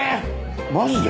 マジで？